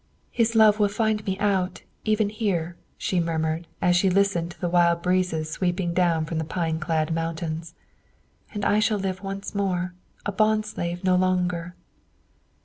"His love will find me out, even here," she murmured, as she listened to the wild breezes sweeping down from the pine clad mountains. "And I shall live once more a bond slave no longer!"